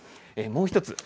もう１つ。